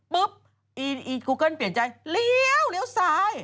ปุ๊บอีกูเกิ้ลเปลี่ยนใจเลี้ยวซ้าย